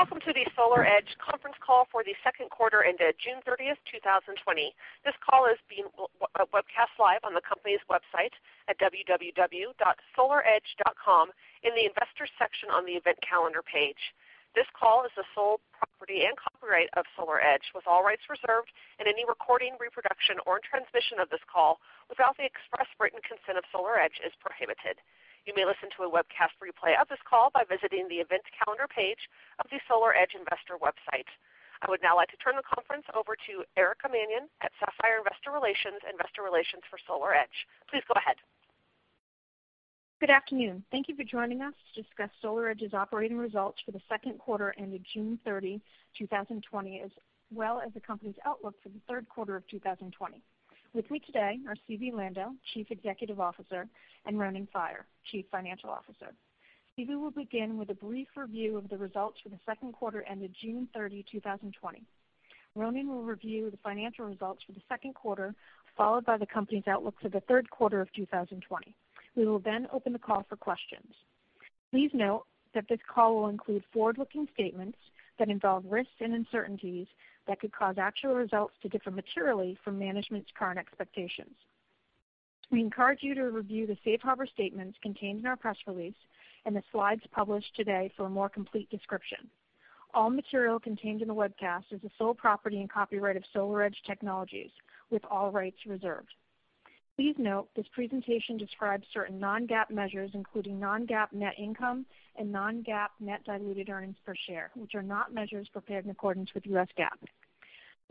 Welcome to the SolarEdge conference call for the second quarter ended June 30th, 2020. This call is being webcast live on the company's website at www.solaredge.com in the Investors section on the event calendar page. This call is the sole property and copyright of SolarEdge, with all rights reserved, and any recording, reproduction, or transmission of this call without the express written consent of SolarEdge is prohibited. You may listen to a webcast replay of this call by visiting the event calendar page of the SolarEdge investor website. I would now like to turn the conference over to Erica Mannion at Sapphire Investor Relations, investor relations for SolarEdge. Please go ahead. Good afternoon. Thank you for joining us to discuss SolarEdge's operating results for the second quarter ended June 30, 2020, as well as the company's outlook for the third quarter of 2020. With me today are Zvi Lando, Chief Executive Officer, and Ronen Faier, Chief Financial Officer. Zvi will begin with a brief review of the results for the second quarter ended June 30, 2020. Ronen will review the financial results for the second quarter, followed by the company's outlook for the third quarter of 2020. We will open the call for questions. Please note that this call will include forward-looking statements that involve risks and uncertainties that could cause actual results to differ materially from management's current expectations. We encourage you to review the safe harbor statements contained in our press release and the slides published today for a more complete description. All material contained in the webcast is the sole property and copyright of SolarEdge Technologies, with all rights reserved. Please note this presentation describes certain non-GAAP measures, including non-GAAP net income and non-GAAP net diluted earnings per share, which are not measures prepared in accordance with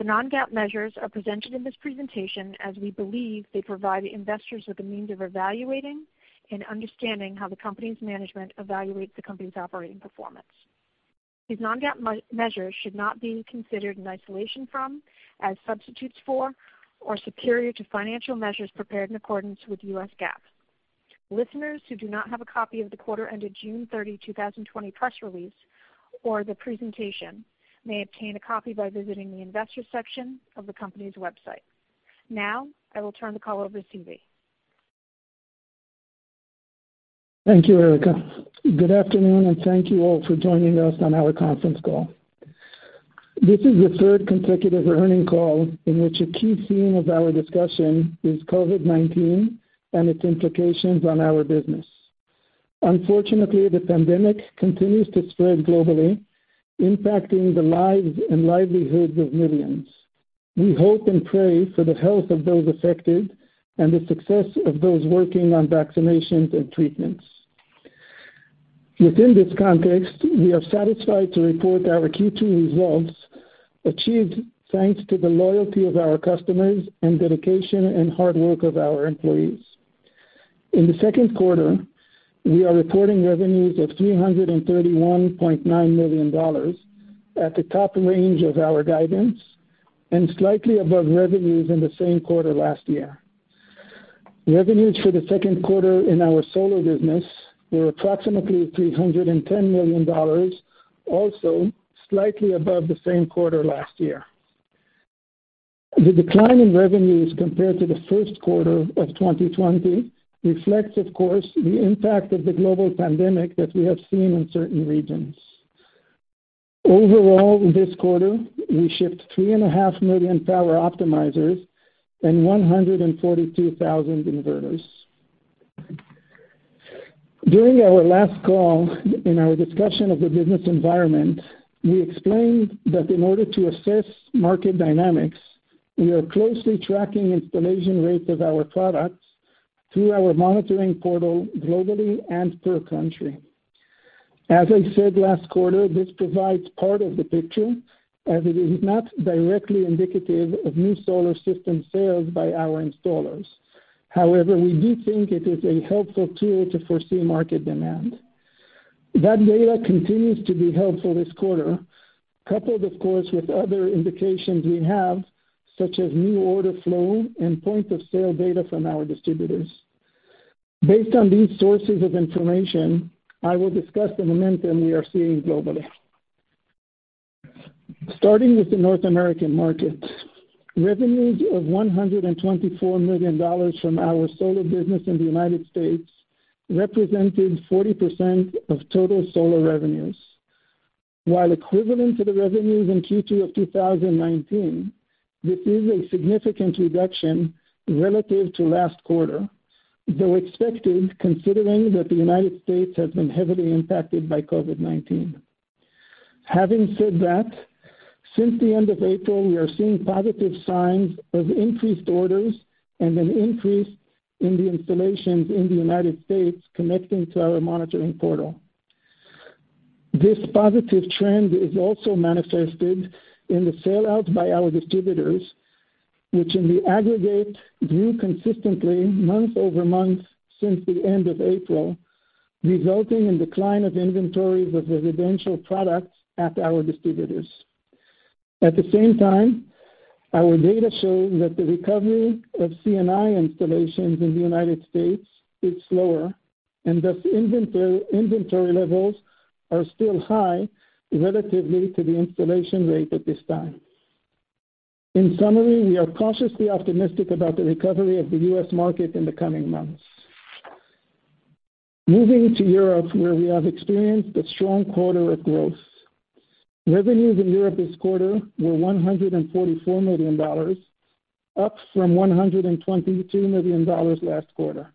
U.S. GAAP. The non-GAAP measures are presented in this presentation as we believe they provide investors with a means of evaluating and understanding how the company's management evaluates the company's operating performance. These non-GAAP measures should not be considered in isolation from, as substitutes for, or superior to financial measures prepared in accordance with U.S. GAAP. Listeners who do not have a copy of the quarter ended June 30, 2020 press release or the presentation may obtain a copy by visiting the Investors section of the company's website. I will turn the call over to Zvi. Thank you, Erica. Good afternoon, and thank you all for joining us on our conference call. This is the third consecutive earnings call in which a key theme of our discussion is COVID-19 and its implications on our business. Unfortunately, the pandemic continues to spread globally, impacting the lives and livelihoods of millions. We hope and pray for the health of those affected and the success of those working on vaccinations and treatments. Within this context, we are satisfied to report our Q2 results achieved thanks to the loyalty of our customers and dedication and hard work of our employees. In the second quarter, we are reporting revenues of $331.9 million at the top range of our guidance and slightly above revenues in the same quarter last year. Revenues for the second quarter in our solar business were approximately $310 million, also slightly above the same quarter last year. The decline in revenues compared to the first quarter of 2020 reflects, of course, the impact of the global pandemic that we have seen in certain regions. Overall, this quarter, we shipped 3.5 million Power Optimizers and 142,000 inverters. During our last call in our discussion of the business environment, we explained that in order to assess market dynamics, we are closely tracking installation rates of our products through our monitoring portal globally and per country. As I said last quarter, this provides part of the picture, as it is not directly indicative of new solar system sales by our installers. However, we do think it is a helpful tool to foresee market demand. That data continues to be helpful this quarter, coupled of course with other indications we have, such as new order flow and point-of-sale data from our distributors. Based on these sources of information, I will discuss the momentum we are seeing globally. Starting with the North American market, revenues of $124 million from our solar business in the United States represented 40% of total solar revenues. While equivalent to the revenues in Q2 of 2019, this is a significant reduction relative to last quarter, though expected considering that the United States has been heavily impacted by COVID-19. Having said that, since the end of April, we are seeing positive signs of increased orders and an increase in the installations in the United States connecting to our monitoring portal. This positive trend is also manifested in the sell-out by our distributors, which in the aggregate grew consistently month-over-month since the end of April, resulting in decline of inventories of residential products at our distributors. At the same time, our data show that the recovery of C&I installations in the United States is slower, and thus inventory levels are still high relatively to the installation rate at this time. In summary, we are cautiously optimistic about the recovery of the U.S. market in the coming months. Moving to Europe, where we have experienced a strong quarter of growth. Revenues in Europe this quarter were $144 million, up from $122 million last quarter.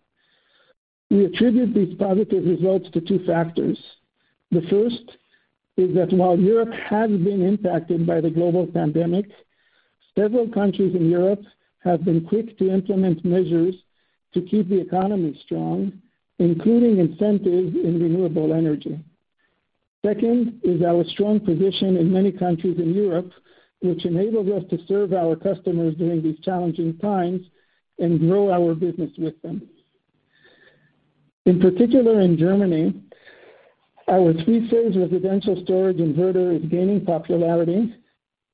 We attribute these positive results to two factors. The first is that while Europe has been impacted by the global pandemic, several countries in Europe have been quick to implement measures to keep the economy strong, including incentives in renewable energy. Second is our strong position in many countries in Europe, which enables us to serve our customers during these challenging times and grow our business with them. In particular, in Germany, our three-phase residential storage inverter is gaining popularity.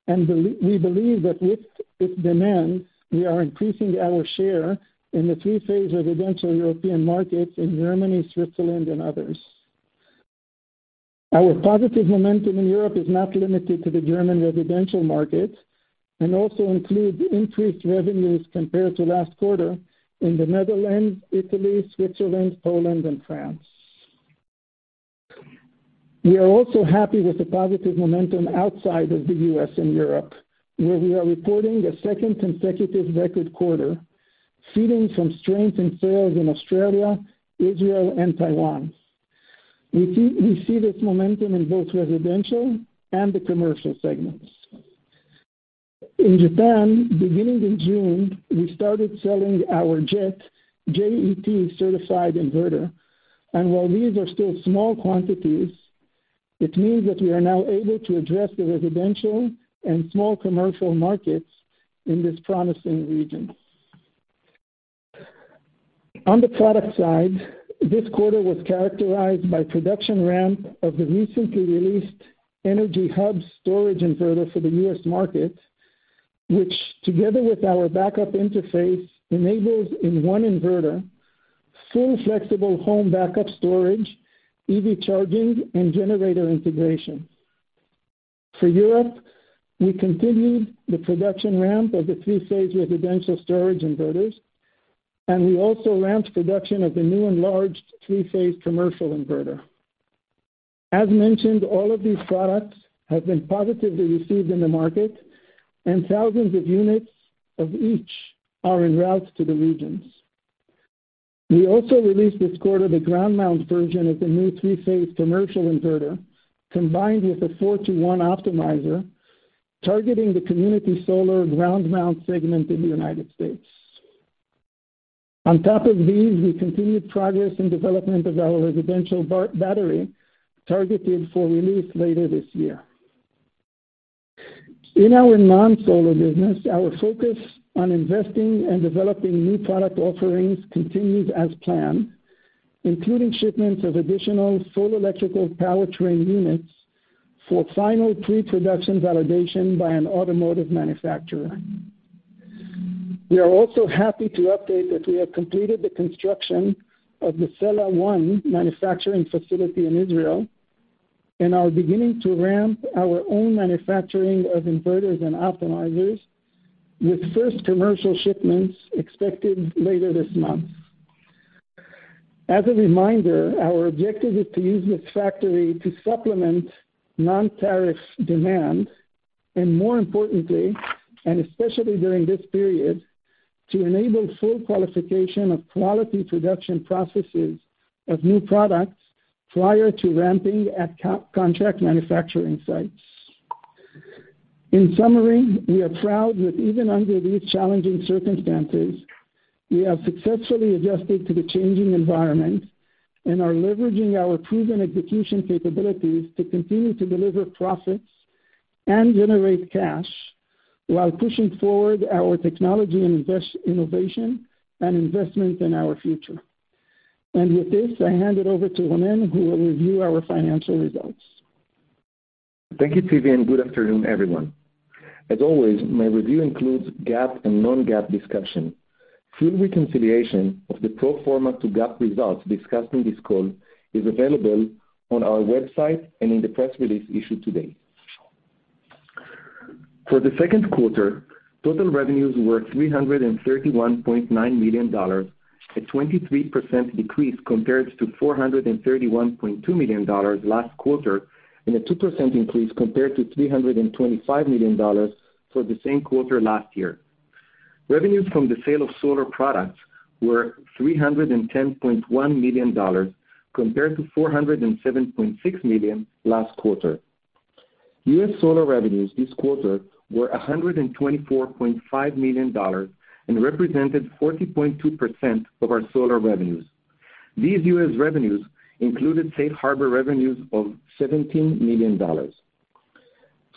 We believe that with demand, we are increasing our share in the three-phase residential European markets in Germany, Switzerland, and others. Our positive momentum in Europe is not limited to the German residential market. It also includes increased revenues compared to last quarter in the Netherlands, Italy, Switzerland, Poland, and France. We are also happy with the positive momentum outside of the U.S. and Europe, where we are reporting a second consecutive record quarter, feeding from strength in sales in Australia, Israel, and Taiwan. We see this momentum in both residential and the commercial segments. In Japan, beginning in June, we started selling our JET, J-E-T certified inverter. While these are still small quantities, it means that we are now able to address the residential and small commercial markets in this promising region. On the product side, this quarter was characterized by production ramp of the recently released Energy Hub storage inverter for the U.S. market, which together with our Backup Interface, enables in one inverter full flexible home backup storage, EV charging, and generator integration. For Europe, we continued the production ramp of the three-phase residential storage inverters, and we also ramped production of the new enlarged three-phase commercial inverter. As mentioned, all of these products have been positively received in the market, and thousands of units of each are enroute to the regions. We also released this quarter the ground mount version of the new three-phase commercial inverter, combined with a four-to-one optimizer targeting the community solar ground mount segment in the United States. On top of these, we continued progress in development of our residential battery, targeted for release later this year. In our non-solar business, our focus on investing and developing new product offerings continues as planned, including shipments of additional full electrical powertrain units for final pre-production validation by an automotive manufacturer. We are also happy to update that we have completed the construction of the Sella 1 manufacturing facility in Israel and are beginning to ramp our own manufacturing of inverters and optimizers with first commercial shipments expected later this month. As a reminder, our objective is to use this factory to supplement non-tariff demand and more importantly, and especially during this period, to enable full qualification of quality production processes of new products prior to ramping at contract manufacturing sites. In summary, we are proud that even under these challenging circumstances, we have successfully adjusted to the changing environment and are leveraging our proven execution capabilities to continue to deliver profits and generate cash while pushing forward our technology and innovation and investment in our future. With this, I hand it over to Ronen, who will review our financial results. Thank you, Zvi, good afternoon, everyone. As always, my review includes GAAP and non-GAAP discussion. Full reconciliation of the pro forma to GAAP results discussed in this call is available on our website and in the press release issued today. For the second quarter, total revenues were $331.9 million, a 23% decrease compared to $431.2 million last quarter and a 2% increase compared to $325 million for the same quarter last year. Revenues from the sale of solar products were $310.1 million, compared to $407.6 million last quarter. U.S. solar revenues this quarter were $124.5 million and represented 40.2% of our solar revenues. These U.S. revenues included safe harbor revenues of $17 million.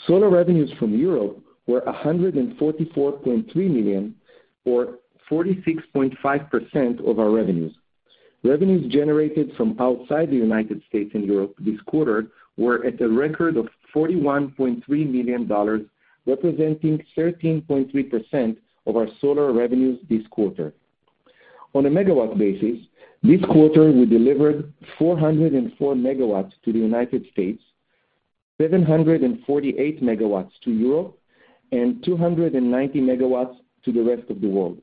Solar revenues from Europe were $144.3 million or 46.5% of our revenues. Revenues generated from outside the United States and Europe this quarter were at a record of $41.3 million, representing 13.3% of our solar revenues this quarter. On a megawatt basis, this quarter we delivered 404 MW to the United States, 748 MW to Europe, and 290 MW to the rest of the world.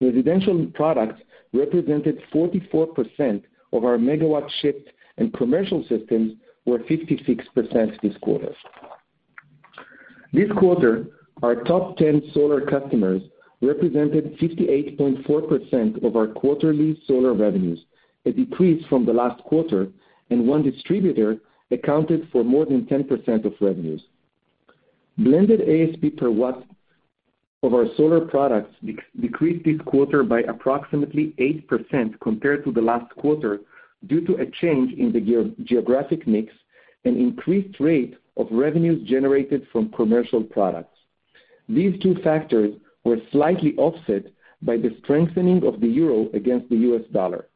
Residential products represented 44% of our megawatts shipped, and commercial systems were 56% this quarter. This quarter, our top 10 solar customers represented 68.4% of our quarterly solar revenues, a decrease from the last quarter, and one distributor accounted for more than 10% of revenues. Blended ASP per watt of our solar products decreased this quarter by approximately 8% compared to the last quarter, due to a change in the geographic mix and increased rate of revenues generated from commercial products. These two factors were slightly offset by the strengthening of the euro against the U.S. dollar.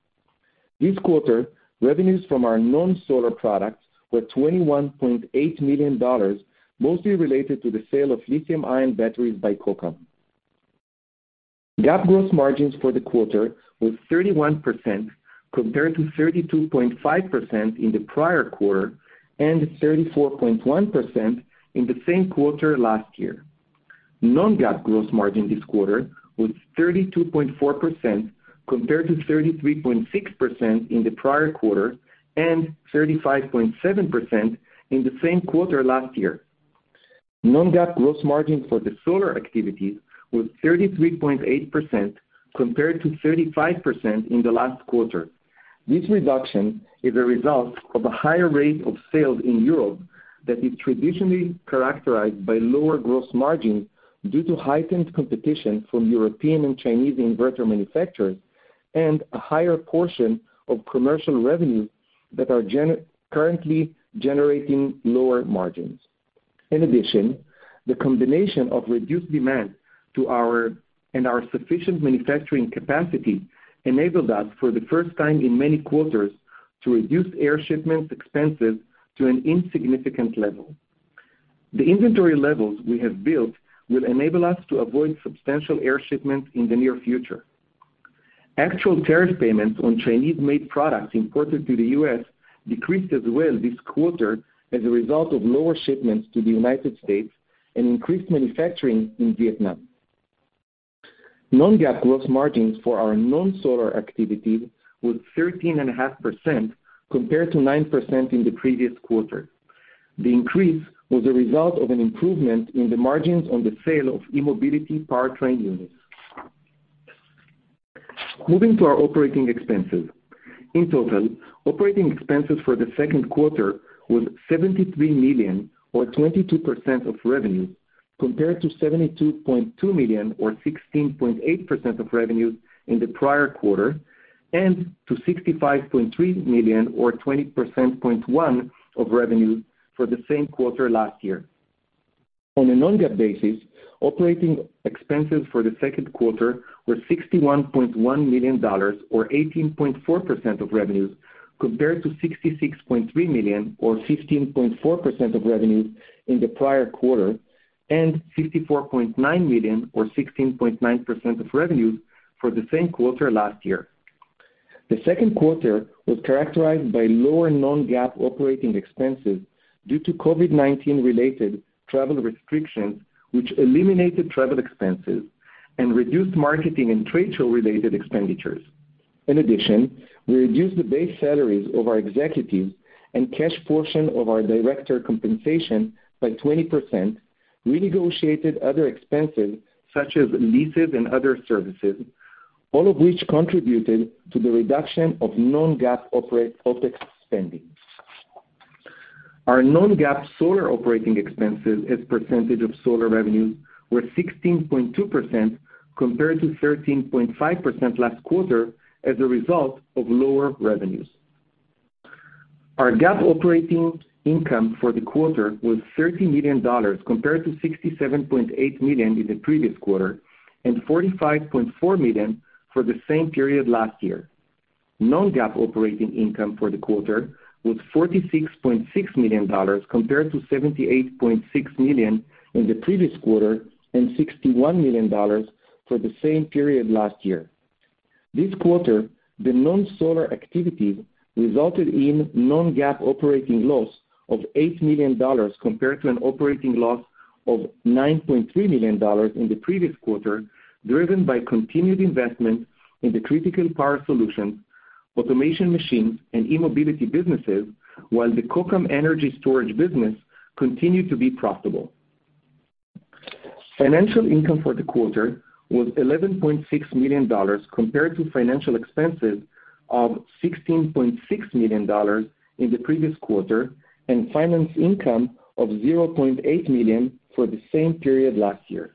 This quarter, revenues from our non-solar products were $21.8 million, mostly related to the sale of lithium-ion batteries by Kokam. GAAP gross margins for the quarter were 31%, compared to 32.5% in the prior quarter and 34.1% in the same quarter last year. Non-GAAP gross margin this quarter was 32.4%, compared to 33.6% in the prior quarter and 35.7% in the same quarter last year. Non-GAAP gross margin for the solar activities was 33.8%, compared to 35% in the last quarter. This reduction is a result of a higher rate of sales in Europe that is traditionally characterized by lower gross margins due to heightened competition from European and Chinese inverter manufacturers and a higher portion of commercial revenues that are currently generating lower margins. In addition, the combination of reduced demand and our sufficient manufacturing capacity enabled us, for the first time in many quarters, to reduce air shipments expenses to an insignificant level. The inventory levels we have built will enable us to avoid substantial air shipments in the near future. Actual tariff payments on Chinese-made products imported to the U.S. decreased as well this quarter as a result of lower shipments to the United States and increased manufacturing in Vietnam. Non-GAAP gross margins for our non-solar activities was 13.5%, compared to 9% in the previous quarter. The increase was a result of an improvement in the margins on the sale of e-mobility powertrain units. Moving to our operating expenses. In total, operating expenses for the second quarter were $73 million or 22% of revenues, compared to $72.2 million or 16.8% of revenues in the prior quarter and to $65.3 million or 20.1% of revenues for the same quarter last year. On a non-GAAP basis, operating expenses for the second quarter were $61.1 million or 18.4% of revenues, compared to $66.3 million or 15.4% of revenues in the prior quarter and $64.9 million or 16.9% of revenues for the same quarter last year. The second quarter was characterized by lower non-GAAP operating expenses due to COVID-19 related travel restrictions, which eliminated travel expenses and reduced marketing and trade show related expenditures. In addition, we reduced the base salaries of our executives and cash portion of our director compensation by 20%, renegotiated other expenses such as leases and other services, all of which contributed to the reduction of non-GAAP OpEx spending. Our non-GAAP solar operating expenses as percentage of solar revenues were 16.2% compared to 13.5% last quarter as a result of lower revenues. Our GAAP operating income for the quarter was $30 million compared to $67.8 million in the previous quarter and $45.4 million for the same period last year. Non-GAAP operating income for the quarter was $46.6 million compared to $78.6 million in the previous quarter and $61 million for the same period last year. This quarter, the non-solar activities resulted in non-GAAP operating loss of $8 million compared to an operating loss of $9.3 million in the previous quarter, driven by continued investment in the critical power solutions, automation machines, and e-mobility businesses, while the Kokam energy storage business continued to be profitable. Financial income for the quarter was $11.6 million compared to financial expenses of $16.6 million in the previous quarter and finance income of $0.8 million for the same period last year.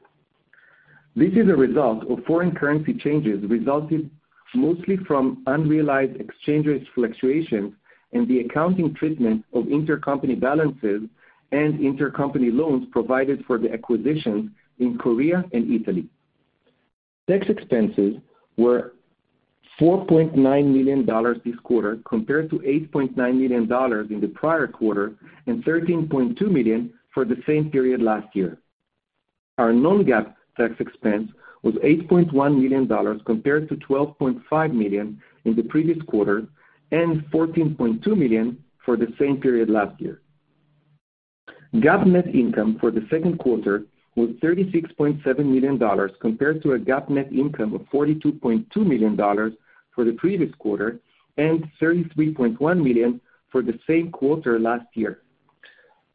This is a result of foreign currency changes resulted mostly from unrealized exchanges fluctuations in the accounting treatment of intercompany balances and intercompany loans provided for the acquisitions in Korea and Italy. Tax expenses were $4.9 million this quarter, compared to $8.9 million in the prior quarter, and $13.2 million for the same period last year. Our non-GAAP tax expense was $8.1 million, compared to $12.5 million in the previous quarter, and $14.2 million for the same period last year. GAAP net income for the second quarter was $36.7 million, compared to a GAAP net income of $42.2 million for the previous quarter, and $33.1 million for the same quarter last year.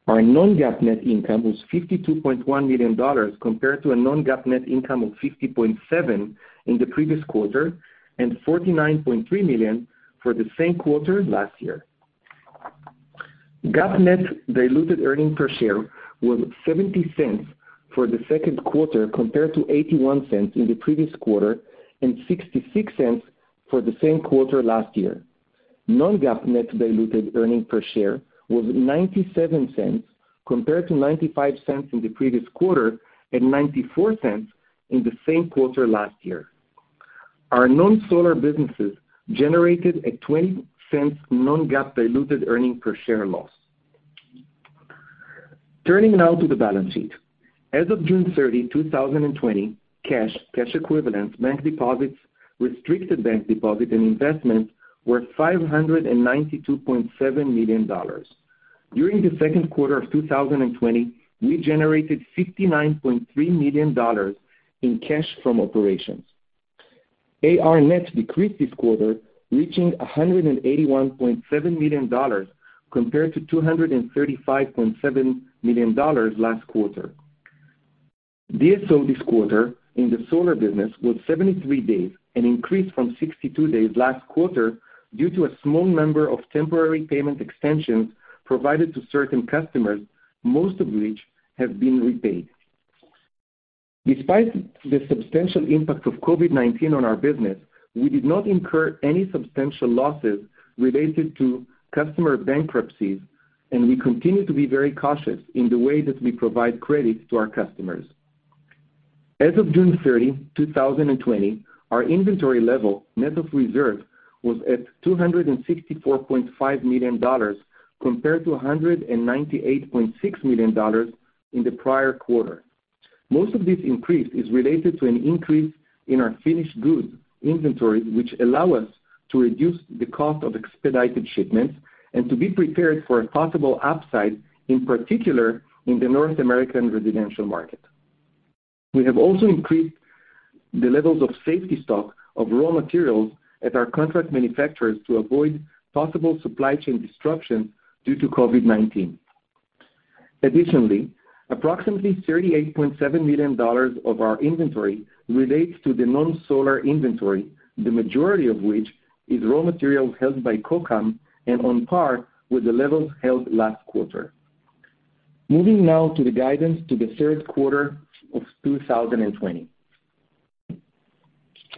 Our non-GAAP net income was $52.1 million, compared to a non-GAAP net income of $50.7 million in the previous quarter, and $49.3 million for the same quarter last year. GAAP net diluted earning per share was $0.70 for the second quarter, compared to $0.81 in the previous quarter, and $0.66 for the same quarter last year. Non-GAAP net diluted earning per share was $0.97, compared to $0.95 in the previous quarter, and $0.94 in the same quarter last year. Our non-solar businesses generated a $0.20 non-GAAP diluted earning per share loss. Turning now to the balance sheet. As of June 30, 2020, cash equivalents, bank deposits, restricted bank deposits, and investments were $592.7 million. During the second quarter of 2020, we generated $59.3 million in cash from operations. AR net decreased this quarter, reaching $181.7 million, compared to $235.7 million last quarter. DSO this quarter in the solar business was 73 days, an increase from 62 days last quarter due to a small number of temporary payment extensions provided to certain customers, most of which have been repaid. Despite the substantial impact of COVID-19 on our business, we did not incur any substantial losses related to customer bankruptcies, and we continue to be very cautious in the way that we provide credit to our customers. As of June 30, 2020, our inventory level, net of reserve, was at $264.5 million, compared to $198.6 million in the prior quarter. Most of this increase is related to an increase in our finished goods inventory, which allow us to reduce the cost of expedited shipments and to be prepared for a possible upside, in particular in the North American residential market. We have also increased the levels of safety stock of raw materials at our contract manufacturers to avoid possible supply chain disruption due to COVID-19. Additionally, approximately $38.7 million of our inventory relates to the non-solar inventory, the majority of which is raw material held by Kokam and on par with the levels held last quarter. Moving now to the guidance to the third quarter of 2020.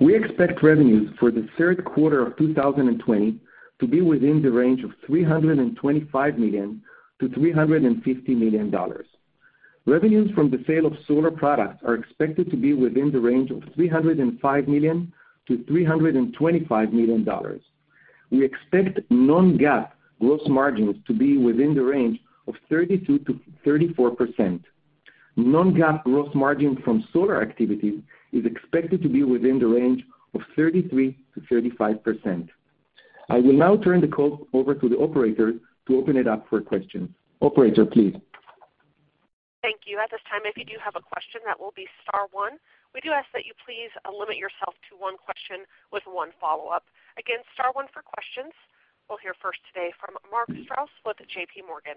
We expect revenues for the third quarter of 2020 to be within the range of $325 million-$350 million. Revenues from the sale of solar products are expected to be within the range of $305 million-$325 million. We expect non-GAAP gross margins to be within the range of 32%-34%. Non-GAAP gross margin from solar activities is expected to be within the range of 33%-35%. I will now turn the call over to the operator to open it up for questions. Operator, please. Thank you. At this time, if you do have a question, that will be star one. We do ask that you please limit yourself to one question with one follow-up. Star one for questions. We'll hear first today from Mark Strouse with J.P. Morgan.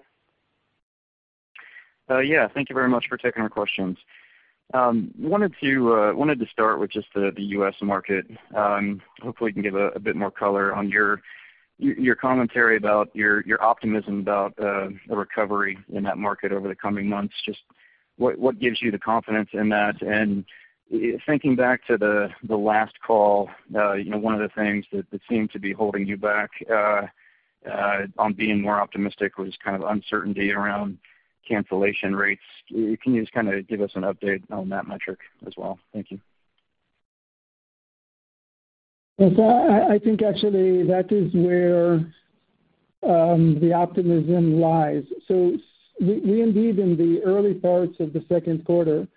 Thank you very much for taking our questions. Wanted to start with just the U.S. market. Hopefully, you can give a bit more color on your commentary about your optimism about the recovery in that market over the coming months. Just what gives you the confidence in that? Thinking back to the last call, one of the things that seemed to be holding you back on being more optimistic was kind of uncertainty around cancellation rates. Can you just kind of give us an update on that metric as well? Thank you. Yes. I think actually that is where the optimism lies. We indeed, in the early parts of the second quarter,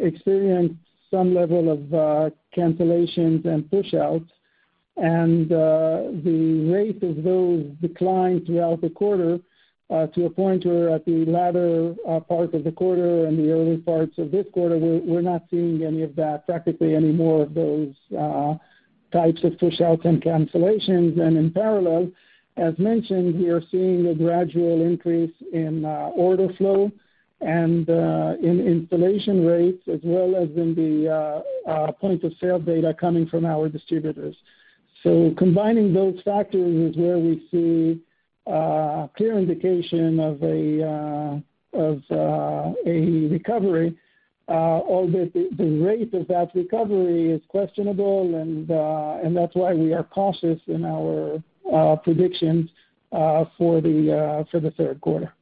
experienced some level of cancellations and push-outs, and the rate of those declined throughout the quarter to a point where at the latter part of the quarter and the early parts of this quarter, we're not seeing any of that, practically any more of those types of push-outs and cancellations. In parallel, as mentioned, we are seeing a gradual increase in order flow and in installation rates, as well as in the point-of-sale data coming from our distributors. Combining those factors is where we see a clear indication of a recovery, albeit the rate of that recovery is questionable, and that's why we are cautious in our predictions for the third quarter.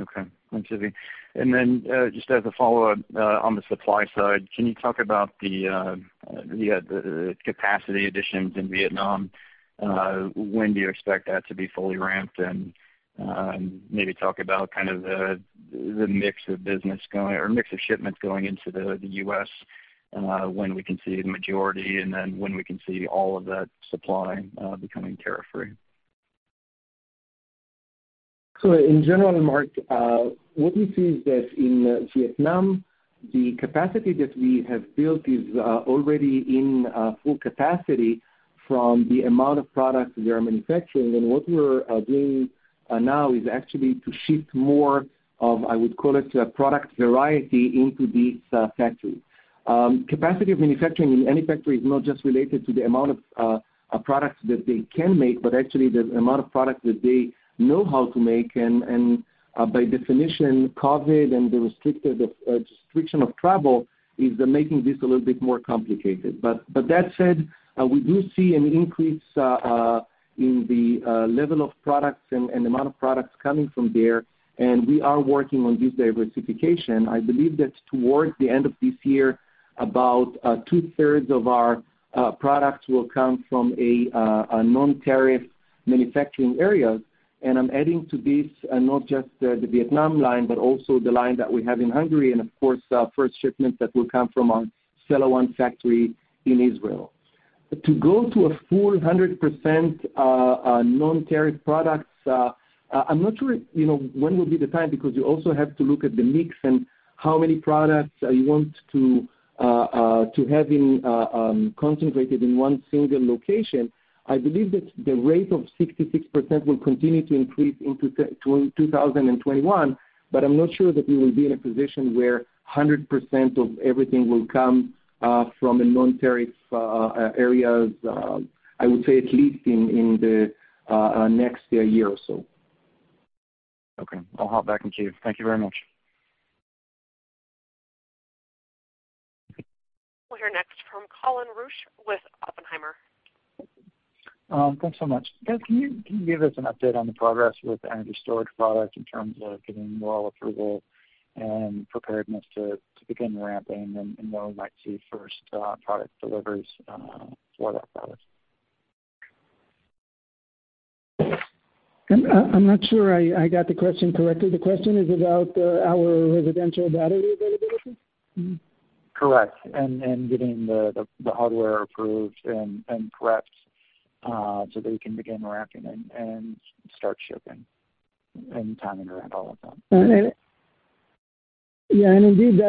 Okay. Thanks, Zvi. Just as a follow-up, on the supply side, can you talk about the capacity additions in Vietnam? When do you expect that to be fully ramped? Maybe talk about the mix of business or mix of shipments going into the U.S., when we can see the majority, and then when we can see all of that supply becoming tariff-free. In general, Mark, what we see is that in Vietnam, the capacity that we have built is already in full capacity from the amount of product we are manufacturing. What we're doing now is actually to shift more of, I would call it, product variety into these factories. Capacity of manufacturing in any factory is not just related to the amount of products that they can make, but actually the amount of product that they know how to make, and by definition, COVID and the restriction of travel is making this a little bit more complicated. That said, we do see an increase in the level of products and amount of products coming from there, and we are working on this diversification. I believe that towards the end of this year, about two-thirds of our products will come from a non-tariff manufacturing area. I'm adding to this not just the Vietnam line, but also the line that we have in Hungary and, of course, first shipment that will come from our Sella 1 factory in Israel. To go to a full 100% non-tariff products, I'm not sure when will be the time, because you also have to look at the mix and how many products you want to have concentrated in one single location. I believe that the rate of 66% will continue to increase into 2021, but I'm not sure that we will be in a position where 100% of everything will come from a non-tariff areas, I would say at least in the next year or so. Okay. I'll hop back in queue. Thank you very much. We'll hear next from Colin Rusch with Oppenheimer. Thanks so much. Guys, can you give us an update on the progress with the energy storage product in terms of getting UL approval and preparedness to begin ramping and when we might see first product deliveries for that product? I'm not sure I got the question correctly. The question is about our residential battery availability? Correct. Getting the hardware approved and prepped, so that you can begin ramping and start shipping any time in the near future. Indeed,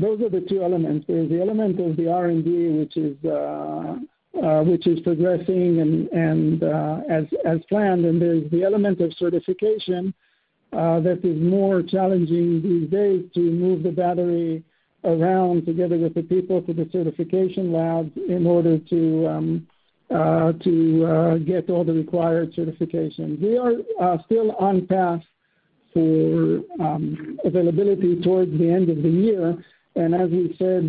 those are the two elements. There's the element of the R&D, which is progressing as planned, and there's the element of certification that is more challenging these days to move the battery around together with the people to the certification labs in order to get all the required certifications. We are still on path for availability towards the end of the year. As we said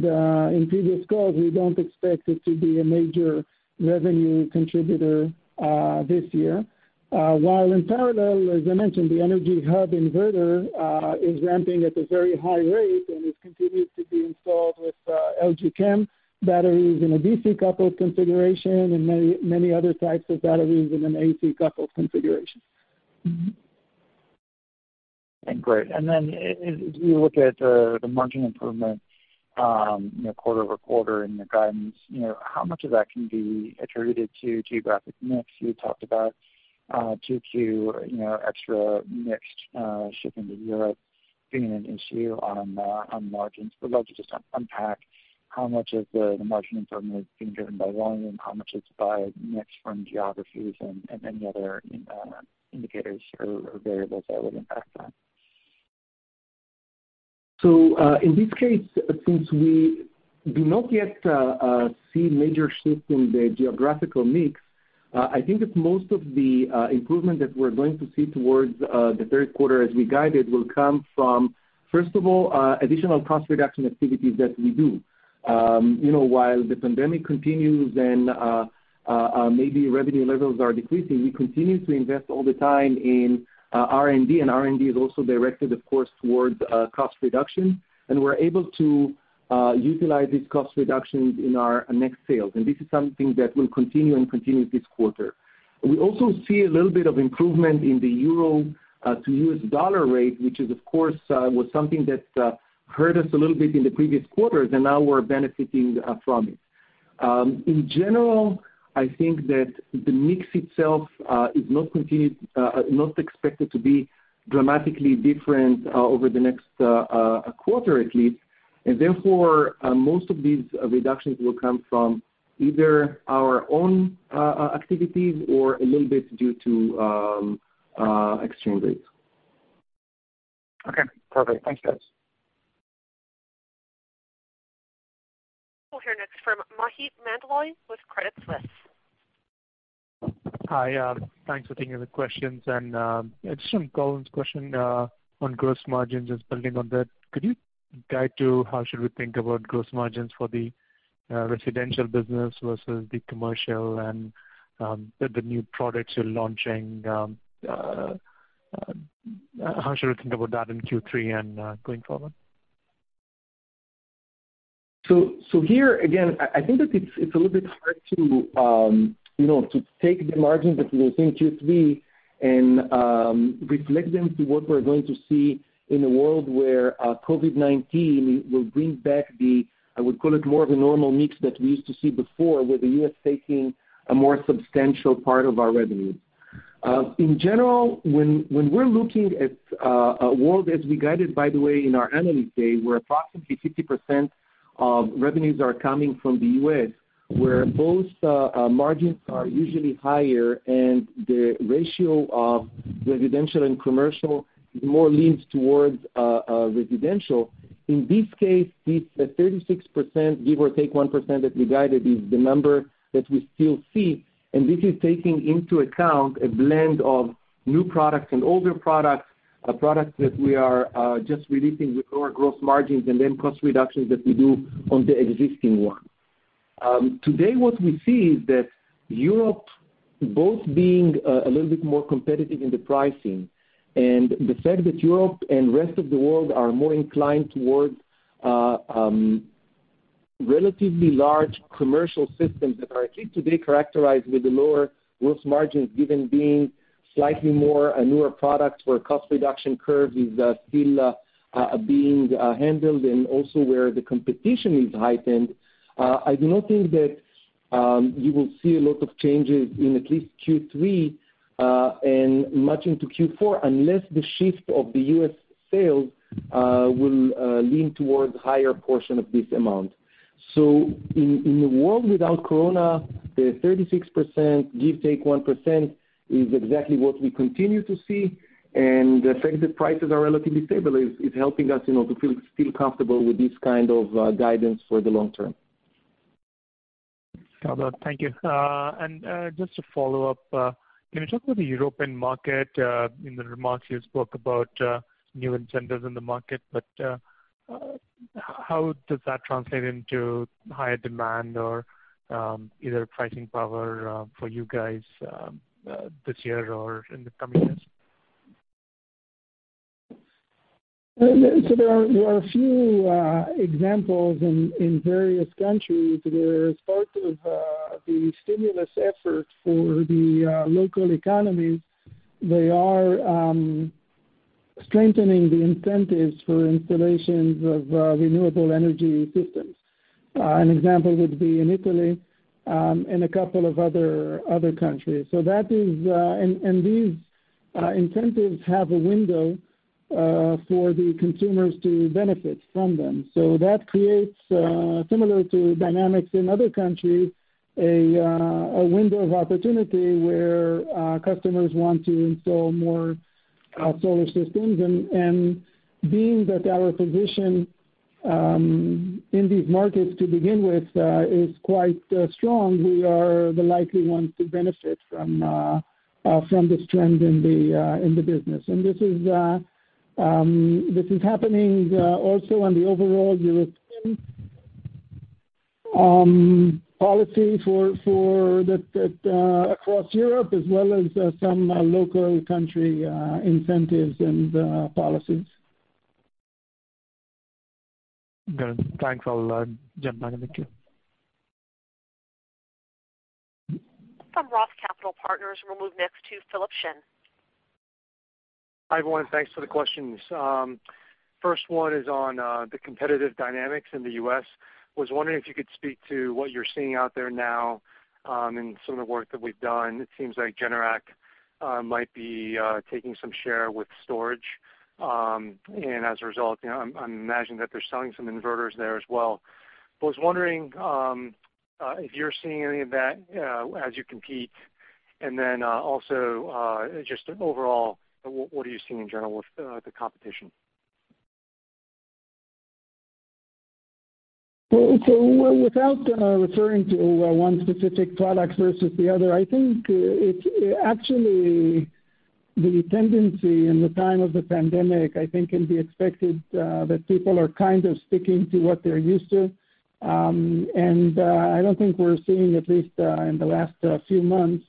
in previous calls, we don't expect it to be a major revenue contributor this year. In parallel, as I mentioned, the Energy Hub Inverter is ramping at a very high rate and is continued to be installed with LG Chem batteries in a DC-coupled configuration and many other types of batteries in an AC-coupled configuration. Great. As we look at the margin improvement quarter-over-quarter and the guidance, how much of that can be attributed to geographic mix? You talked about 2Q extra mixed shipment to Europe being an issue on margins. Let's just unpack how much of the margin improvement is being driven by volume, how much is by mix from geographies and any other indicators or variables that would impact that. In this case, since we do not yet see major shift in the geographical mix, I think that most of the improvement that we're going to see towards the third quarter as we guided will come from, first of all, additional cost reduction activities that we do. While the pandemic continues and maybe revenue levels are decreasing, we continue to invest all the time in R&D, and R&D is also directed, of course, towards cost reduction. We're able to utilize these cost reductions in our next sales. This is something that will continue this quarter. We also see a little bit of improvement in the euro to U.S. dollar rate, which of course, was something that hurt us a little bit in the previous quarters, and now we're benefiting from it. In general, I think that the mix itself is not expected to be dramatically different over the next quarter at least. Therefore, most of these reductions will come from either our own activities or a little bit due to exchange rates. Okay, perfect. Thanks, guys. We'll hear next from Maheep Mandloi with Credit Suisse. Hi. Thanks for taking the questions. Just on Colin's question on gross margins, just building on that, could you guide to how should we think about gross margins for the Residential business versus the commercial and the new products you're launching, how should we think about that in Q3 and going forward? Here, again, I think that it's a little bit hard to take the margins that we will see in Q3 and reflect them to what we're going to see in a world where COVID-19 will bring back the, I would call it more of a normal mix that we used to see before, with the U.S. taking a more substantial part of our revenue. In general, when we're looking at a world as we guided, by the way, in our analyst day, where approximately 50% of revenues are coming from the U.S., where both margins are usually higher and the ratio of residential and commercial more leans towards residential. In this case, it's the 36%, give or take 1%, that we guided is the number that we still see, and this is taking into account a blend of new products and older products, a product that we are just releasing with lower gross margins and then cost reductions that we do on the existing one. Today, what we see is that Europe both being a little bit more competitive in the pricing and the fact that Europe and rest of the world are more inclined towards relatively large commercial systems that are, at least today, characterized with the lower gross margins, given being slightly more a newer product where cost reduction curve is still being handled and also where the competition is heightened. I do not think that you will see a lot of changes in at least Q3, and much into Q4, unless the shift of the U.S. sales will lean towards higher portion of this amount. In a world without Corona, the 36%, give, take 1%, is exactly what we continue to see, and the fact that prices are relatively stable is helping us to feel comfortable with this kind of guidance for the long term. Got that. Thank you. Just to follow up, can you talk about the European market? In the remarks you spoke about new incentives in the market, but how does that translate into higher demand or either pricing power for you guys this year or in the coming years? There are a few examples in various countries where as part of the stimulus effort for the local economies, they are strengthening the incentives for installations of renewable energy systems. An example would be in Italy, and a couple of other countries. These incentives have a window for the consumers to benefit from them. That creates, similar to dynamics in other countries, a window of opportunity where customers want to install more solar systems. Being that our position in these markets to begin with is quite strong, we are the likely ones to benefit from this trend in the business. This is happening also on the overall European policy across Europe, as well as some local country incentives and policies. Got it. Thanks. I'll jump back in the queue. From Roth Capital Partners, we'll move next to Philip Shen. Hi, everyone. Thanks for the questions. First one is on the competitive dynamics in the U.S. I was wondering if you could speak to what you're seeing out there now. In some of the work that we've done, it seems like Generac might be taking some share with storage. As a result, I imagine that they're selling some inverters there as well. I was wondering if you're seeing any of that as you compete. Also, just overall, what are you seeing in general with the competition? Without referring to one specific product versus the other, I think actually the tendency in the time of the pandemic, I think can be expected that people are kind of sticking to what they're used to. I don't think we're seeing, at least in the last few months,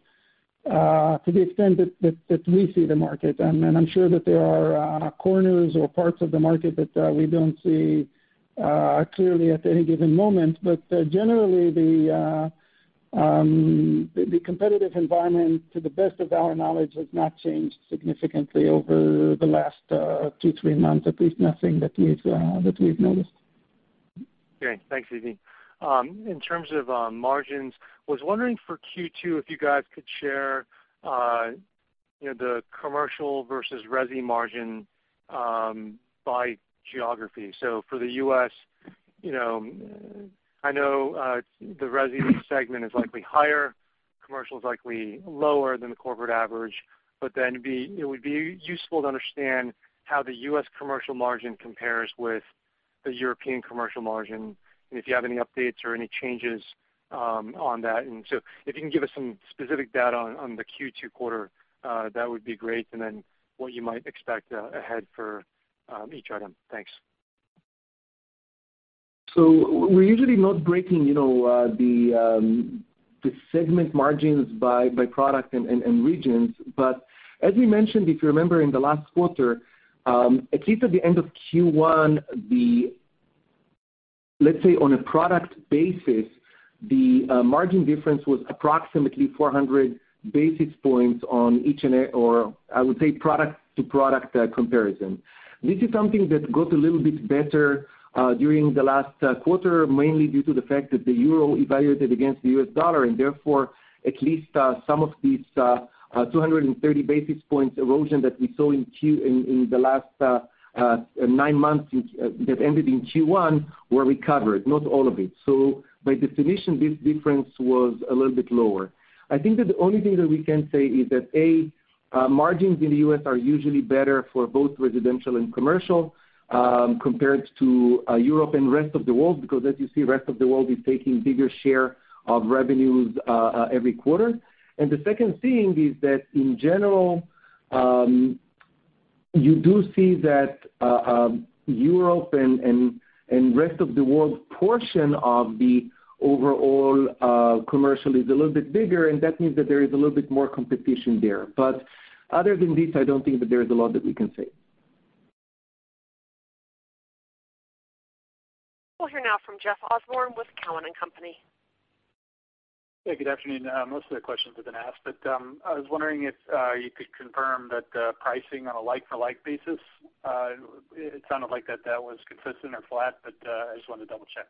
to the extent that we see the market, and I'm sure that there are corners or parts of the market that we don't see clearly at any given moment. Generally, the competitive environment, to the best of our knowledge, has not changed significantly over the last two, three months. At least nothing that we've noticed. Great. Thanks, Zvi. In terms of margins, was wondering for Q2 if you guys could share the commercial versus resi margin by geography. For the U.S., I know the resi segment is likely higher, commercial is likely lower than the corporate average, but then it would be useful to understand how the U.S. commercial margin compares with the European commercial margin, and if you have any updates or any changes on that. If you can give us some specific data on the Q2 quarter, that would be great, and then what you might expect ahead for each item. Thanks. We're usually not breaking the segment margins by product and regions. As we mentioned, if you remember in the last quarter, at least at the end of Q1, let's say on a product basis, the margin difference was approximately 400 basis points on each, or I would say product-to-product comparison. This is something that got a little bit better during the last quarter, mainly due to the fact that the euro evaluated against the U.S. dollar, and therefore at least some of these 230 basis points erosion that we saw in the last nine months that ended in Q1 were recovered, not all of it. By definition, this difference was a little bit lower. I think that the only thing that we can say is that, A, margins in the U.S. are usually better for both residential and commercial compared to Europe and rest of the world, because as you see, rest of the world is taking bigger share of revenues every quarter. The second thing is that in general, you do see that Europe and rest of the world portion of the overall commercial is a little bit bigger, and that means that there is a little bit more competition there. Other than this, I don't think that there is a lot that we can say. We'll hear now from Jeff Osborne with Cowen and Company. Good afternoon. Most of the questions have been asked, but I was wondering if you could confirm that the pricing on a like-for-like basis, it sounded like that was consistent or flat, but I just wanted to double-check.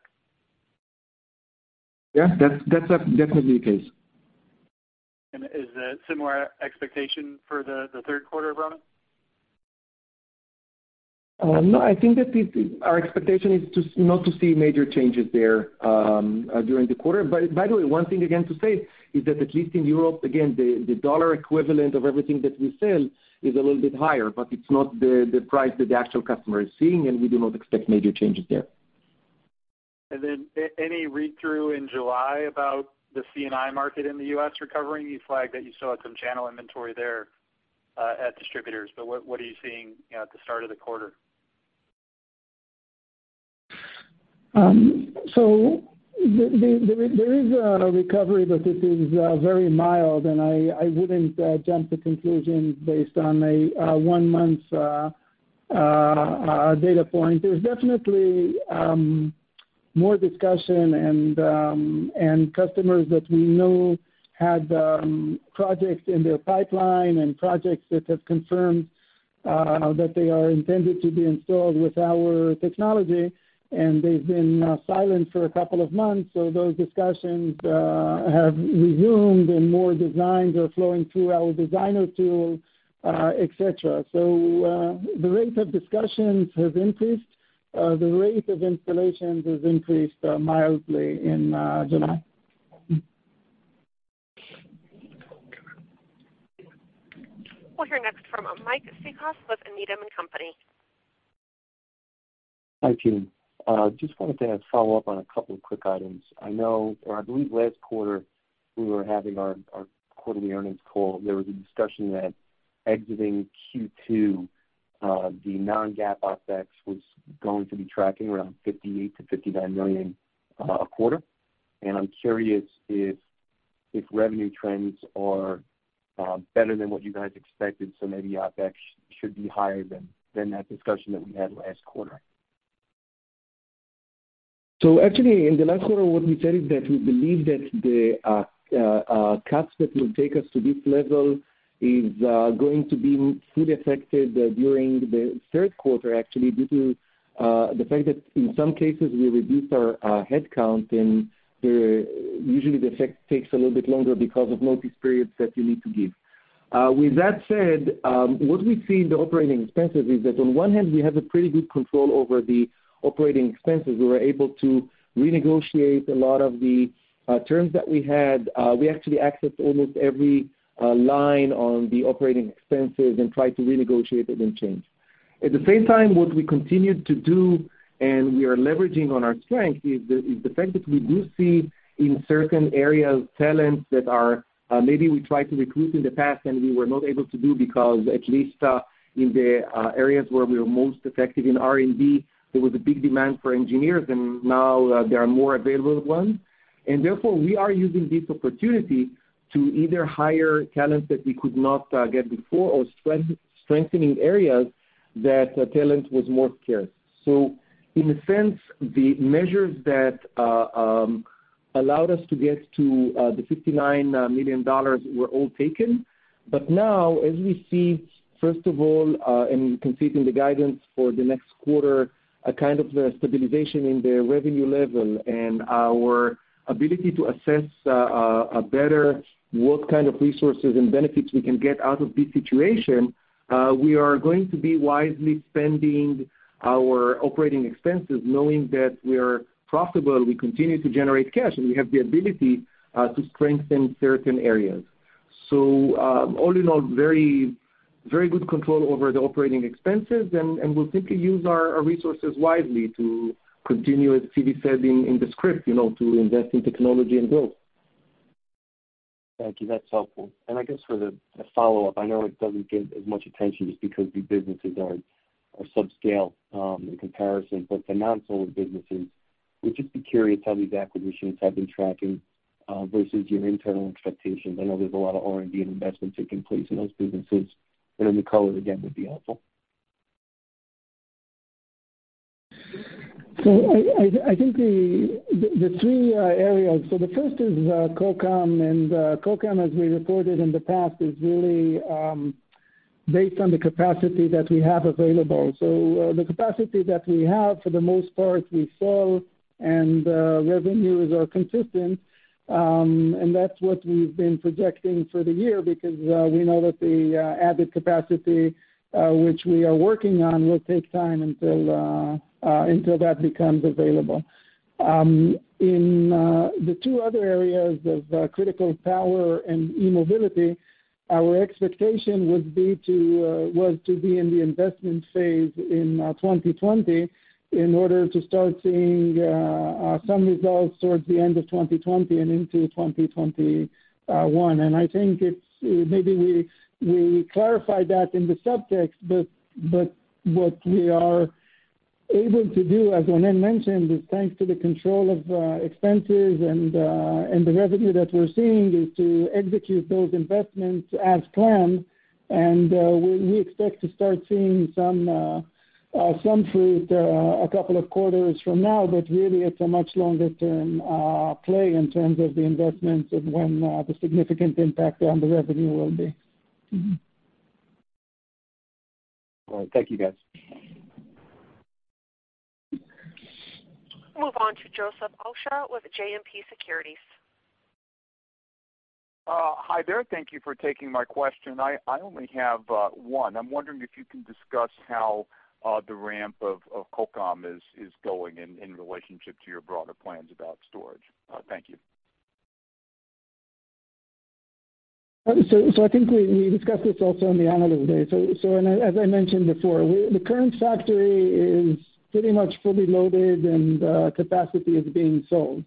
Yeah, that's definitely the case. Is that similar expectation for the third quarter, Ronen? No, I think that our expectation is not to see major changes there during the quarter. By the way, one thing again to say is that at least in Europe, again, the dollar equivalent of everything that we sell is a little bit higher, but it's not the price that the actual customer is seeing, and we do not expect major changes there. Any read-through in July about the C&I market in the U.S. recovering? You flagged that you saw some channel inventory there at distributors, but what are you seeing at the start of the quarter? There is a recovery, but it is very mild, and I wouldn't jump to conclusions based on a one-month data point. There's definitely more discussion and customers that we know had projects in their pipeline and projects that have confirmed that they are intended to be installed with our technology, and they've been silent for a couple of months. Those discussions have resumed, and more designs are flowing through our designer tool, et cetera. The rate of discussions has increased. The rate of installations has increased mildly in July. We'll hear next from Mike Cikos with Needham & Company. Hi, team. Just wanted to follow up on a couple of quick items. I know, or I believe last quarter we were having our quarterly earnings call, there was a discussion that exiting Q2, the non-GAAP OpEx was going to be tracking around $58 million-$59 million a quarter. I'm curious if revenue trends are better than what you guys expected, so maybe OpEx should be higher than that discussion that we had last quarter? Actually in the last quarter, what we said is that we believe that the cuts that will take us to this level is going to be fully affected during the third quarter, actually, due to the fact that in some cases, we reduced our headcount and usually the effect takes a little bit longer because of notice periods that you need to give. With that said, what we see in the operating expenses is that on one hand, we have a pretty good control over the operating expenses. We were able to renegotiate a lot of the terms that we had. We actually accessed almost every line on the operating expenses and tried to renegotiate it and change. At the same time, what we continued to do, and we are leveraging on our strength, is the fact that we do see in certain areas, talents that maybe we tried to recruit in the past and we were not able to do because at least in the areas where we were most effective in R&D, there was a big demand for engineers, and now there are more available ones. Therefore, we are using this opportunity to either hire talents that we could not get before or strengthening areas that talent was more scarce. In a sense, the measures that allowed us to get to the $59 million were all taken. Now, as we see, first of all, in completing the guidance for the next quarter, a kind of stabilization in the revenue level and our ability to assess better what kind of resources and benefits we can get out of this situation, we are going to be wisely spending our operating expenses, knowing that we are profitable, we continue to generate cash, and we have the ability to strengthen certain areas. All in all, very good control over the operating expenses, and we'll simply use our resources wisely to continue, as Zvi said in the script, to invest in technology and growth. Thank you. That's helpful. I guess for the follow-up, I know it doesn't get as much attention just because the businesses are subscale in comparison. The non-solar businesses, would just be curious how these acquisitions have been tracking, versus your internal expectations. I know there's a lot of R&D and investments taking place in those businesses, the color again, would be helpful. I think the three areas. The first is Kokam, and Kokam, as we reported in the past, is really based on the capacity that we have available. The capacity that we have, for the most part, we sell and revenues are consistent. That's what we've been projecting for the year because we know that the added capacity, which we are working on, will take time until that becomes available. In the two other areas of critical power and e-mobility, our expectation was to be in the investment phase in 2020 in order to start seeing some results towards the end of 2020 and into 2021. I think maybe we clarified that in the subtext, but what we are able to do, as Ronen mentioned, is thanks to the control of expenses and the revenue that we're seeing, is to execute those investments as planned. We expect to start seeing some fruit a couple of quarters from now. Really, it's a much longer term play in terms of the investments of when the significant impact on the revenue will be. All right. Thank you, guys. Move on to Joseph Osha with JMP Securities. Hi there. Thank you for taking my question. I only have one. I'm wondering if you can discuss how the ramp of Kokam is going in relationship to your broader plans about storage. Thank you. I think we discussed this also on the analyst day. As I mentioned before, the current factory is pretty much fully loaded, and capacity is being sold.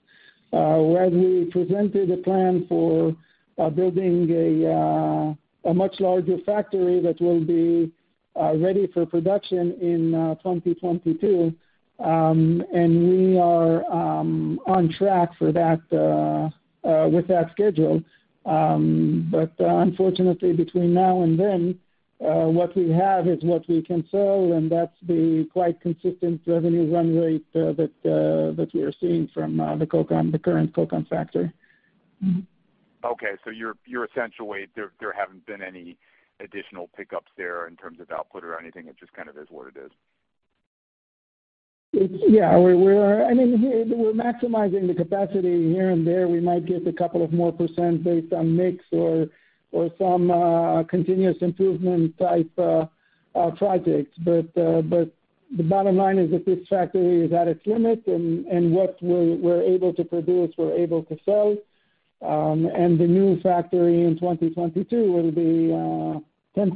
We presented a plan for building a much larger factory that will be ready for production in 2022. We are on track with that schedule. Unfortunately, between now and then, what we have is what we can sell, and that's the quite consistent revenue run rate that we are seeing from the current Kokam factory. Okay. You're essentially, there haven't been any additional pickups there in terms of output or anything. It just kind of is what it is. Yeah. We're maximizing the capacity here and there. We might get a couple of more percent based on mix or some continuous improvement type projects. The bottom line is that this factory is at its limit, and what we're able to produce, we're able to sell. The new factory in 2022 will be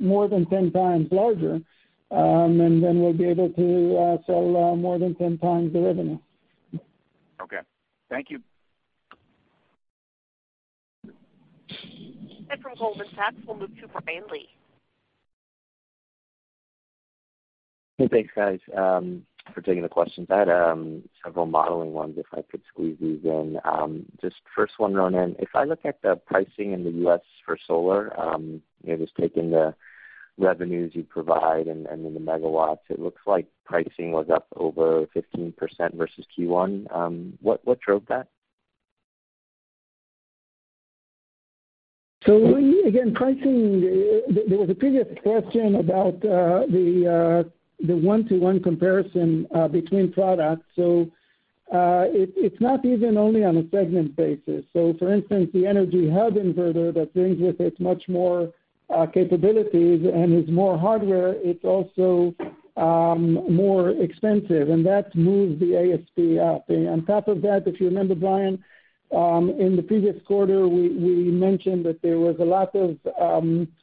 more than 10 times larger. Then we'll be able to sell more than 10 times the revenue. Okay. Thank you. From Goldman Sachs, we'll move to Brian Lee. Hey, thanks, guys, for taking the questions. I had several modeling ones, if I could squeeze these in. Just first one, Ronen, if I look at the pricing in the U.S. for solar, just taking the revenues you provide and then the megawatts, it looks like pricing was up over 15% versus Q1. What drove that? Again, pricing, there was a previous question about the one-to-one comparison between products. It's not even only on a segment basis. For instance, the Energy Hub inverter that brings with it much more capabilities and is more hardware, it's also more expensive, and that moves the ASP up. On top of that, if you remember, Brian, in the previous quarter, we mentioned that there was a lot of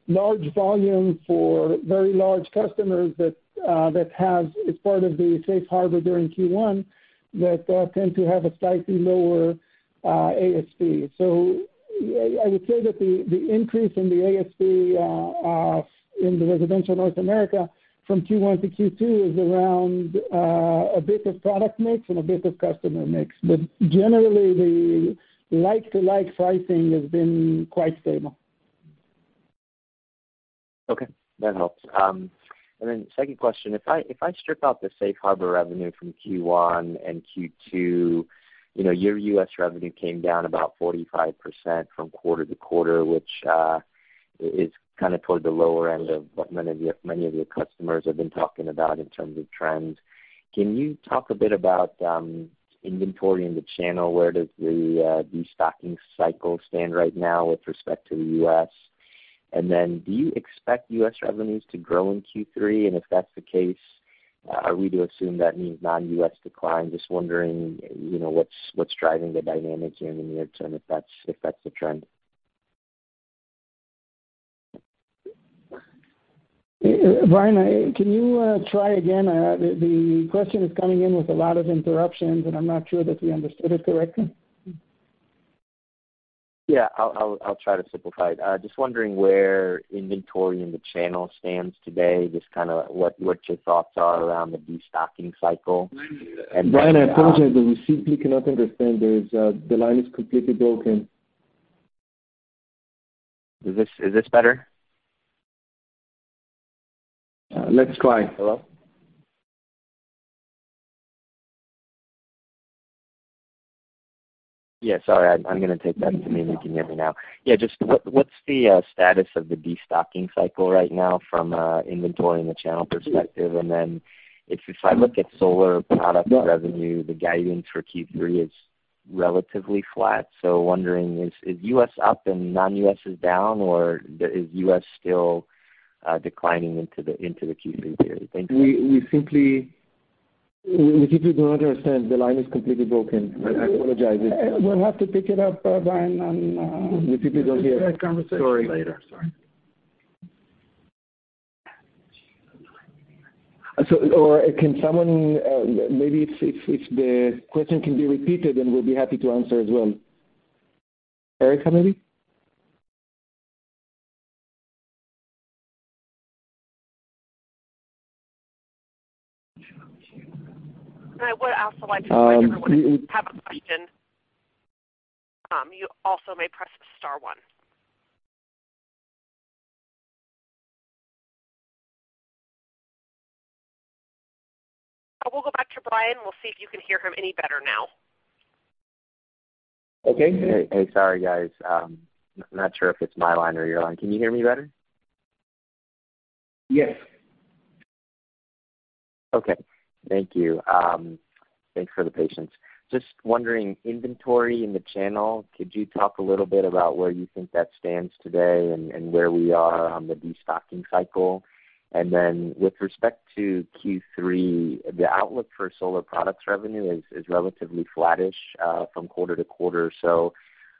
large volume for very large customers that has, as part of the safe harbor during Q1, that tend to have a slightly lower ASP. I would say that the increase in the ASP in the residential North America from Q1 to Q2 is around a bit of product mix and a bit of customer mix. Generally, the like-to-like pricing has been quite stable. Okay, that helps. Second question, if I strip out the safe harbor revenue from Q1 and Q2, your U.S. revenue came down about 45% from quarter-over-quarter, which is kind of toward the lower end of what many of your customers have been talking about in terms of trends. Can you talk a bit about inventory in the channel? Where does the de-stocking cycle stand right now with respect to the U.S.? Do you expect U.S. revenues to grow in Q3? If that's the case, are we to assume that means non-U.S. decline? Just wondering what's driving the dynamics here in the near term, if that's the trend. Brian, can you try again? The question is coming in with a lot of interruptions, and I'm not sure that we understood it correctly. Yeah. I'll try to simplify it. Just wondering where inventory in the channel stands today, just what your thoughts are around the de-stocking cycle. Brian, I apologize. We simply cannot understand. The line is completely broken. Is this better? Let's try. Hello? Yeah, sorry. I'm going to take that to mean you can hear me now. Yeah, just what's the status of the de-stocking cycle right now from an inventory and a channel perspective? If I look at solar product revenue, the guidance for Q3 is relatively flat. Wondering, is U.S. up and non-U.S. is down, or is U.S. still declining into the Q3 period? Thank you. We simply do not understand. The line is completely broken. I apologize. We'll have to pick it up, Brian. We simply don't hear. a conversation. Sorry. Later. Sorry. Can someone, maybe if the question can be repeated, then we'll be happy to answer as well. Erica, maybe? I would also like to speak. If you have a question, you also may press star one. We'll go back to Brian. We'll see if you can hear him any better now. Okay. Hey, sorry, guys. I'm not sure if it's my line or your line. Can you hear me better? Yes. Okay. Thank you. Thanks for the patience. Just wondering, inventory in the channel, could you talk a little bit about where you think that stands today and where we are on the de-stocking cycle? With respect to Q3, the outlook for solar products revenue is relatively flattish from quarter-to-quarter.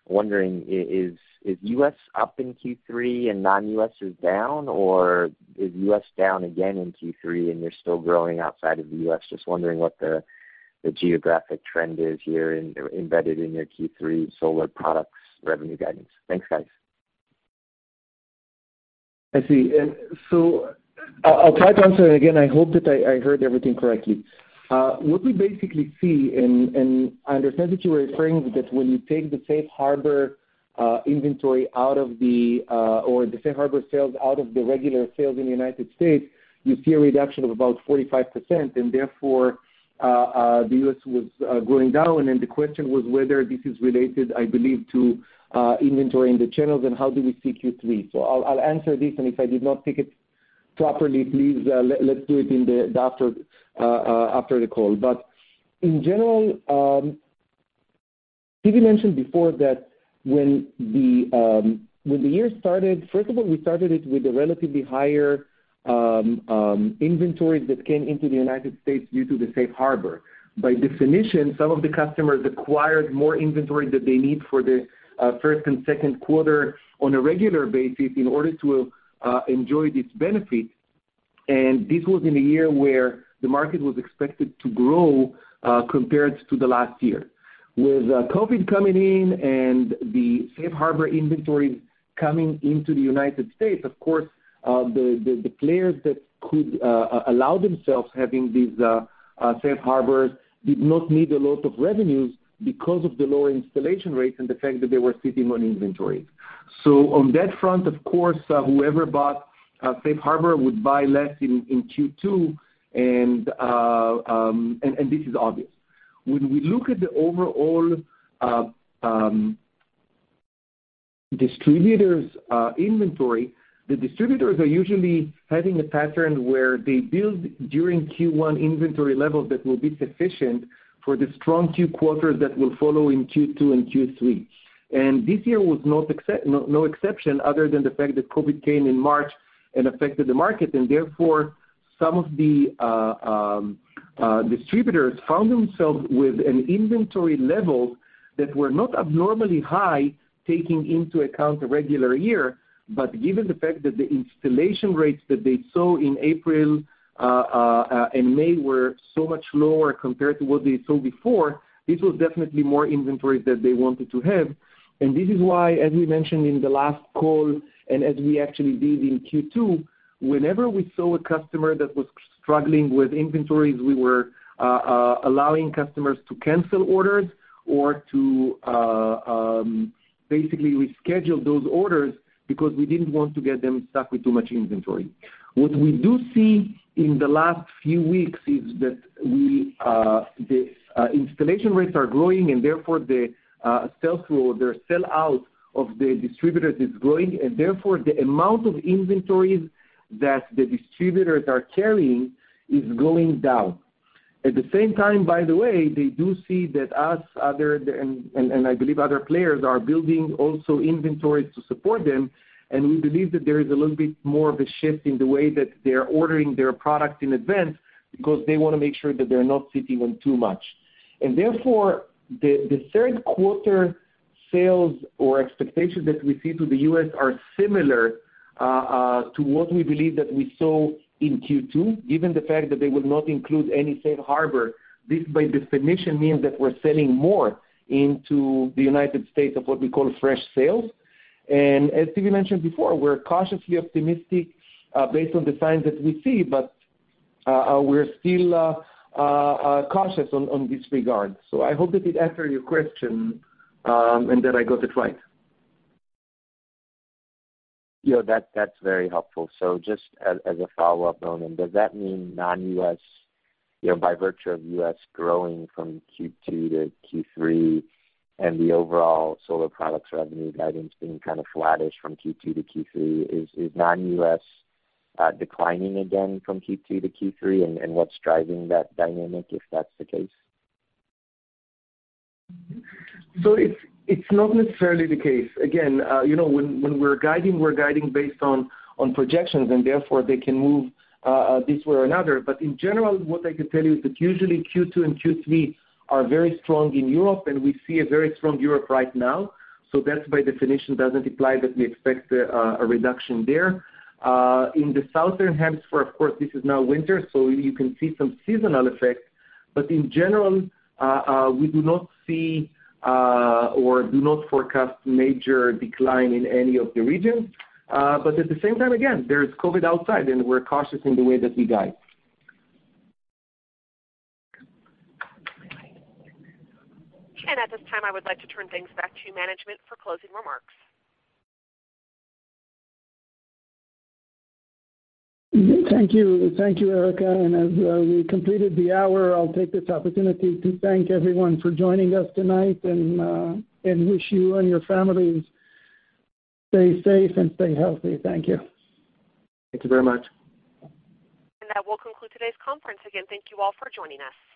Wondering, is U.S. up in Q3 and non-U.S. is down, or is U.S. down again in Q3 and you're still growing outside of the U.S.? Just wondering what the geographic trend is here embedded in your Q3 solar products revenue guidance. Thanks, guys. I see. I'll try to answer it again. I hope that I heard everything correctly. What we basically see, and I understand that you were referring that when you take the Safe Harbor inventory, or the Safe Harbor sales out of the regular sales in the United States, you see a reduction of about 45%, and therefore the U.S. was going down, and the question was whether this is related, I believe, to inventory in the channels and how do we see Q3. I'll answer this, and if I did not take it properly, please, let's do it after the call. In general, Zvi mentioned before that when the year started, first of all, we started it with a relatively higher inventory that came into the United States due to the Safe Harbor. By definition, some of the customers acquired more inventory that they need for the first and second quarter on a regular basis in order to enjoy this benefit. This was in a year where the market was expected to grow compared to the last year. With COVID-19 coming in and the safe harbor inventory coming into the U.S., of course, the players that could allow themselves having these safe harbors did not need a lot of revenues because of the lower installation rates and the fact that they were sitting on inventories. On that front, of course, whoever bought safe harbor would buy less in Q2, and this is obvious. When we look at the overall distributors' inventory, the distributors are usually having a pattern where they build, during Q1, inventory levels that will be sufficient for the strong two quarters that will follow in Q2 and Q3. This year was no exception other than the fact that COVID-19 came in March and affected the market, and therefore some of the distributors found themselves with an inventory level that were not abnormally high, taking into account a regular year, but given the fact that the installation rates that they saw in April and May were so much lower compared to what they saw before, this was definitely more inventory that they wanted to have. This is why, as we mentioned in the last call, and as we actually did in Q2, whenever we saw a customer that was struggling with inventories, we were allowing customers to cancel orders or to basically reschedule those orders because we didn't want to get them stuck with too much inventory. What we do see in the last few weeks is that the installation rates are growing, and therefore the sell-through or the sellout of the distributors is growing, and therefore the amount of inventories that the distributors are carrying is going down. At the same time, by the way, they do see that us, and I believe other players, are building also inventories to support them. We believe that there is a little bit more of a shift in the way that they're ordering their product in advance, because they want to make sure that they're not sitting on too much. Therefore, the third quarter sales or expectations that we see to the U.S. are similar to what we believe that we saw in Q2, given the fact that they will not include any safe harbor. This, by definition, means that we're selling more into the United States of what we call fresh sales. As Zvi mentioned before, we're cautiously optimistic based on the signs that we see, but we're still cautious on this regard. I hope that it answered your question, and that I got it right. Yeah, that's very helpful. Just as a follow-up, Ronen, does that mean non-U.S., by virtue of U.S. growing from Q2 to Q3 and the overall solar products revenue guidance being kind of flattish from Q2 to Q3, is non-U.S. declining again from Q2 to Q3? What's driving that dynamic, if that's the case? It's not necessarily the case. Again, when we're guiding, we're guiding based on projections, and therefore they can move this way or another. In general, what I can tell you is that usually Q2 and Q3 are very strong in Europe, and we see a very strong Europe right now. That by definition doesn't imply that we expect a reduction there. In the southern hemisphere, of course, this is now winter, so you can see some seasonal effects. In general, we do not see or do not forecast major decline in any of the regions. At the same time, again, there's COVID outside, and we're cautious in the way that we guide. At this time, I would like to turn things back to management for closing remarks. Thank you, Erica. As we completed the hour, I'll take this opportunity to thank everyone for joining us tonight and wish you and your families stay safe and stay healthy. Thank you. Thank you very much. That will conclude today's conference. Again, thank you all for joining us.